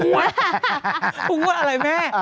ทุกวันอะไรแม่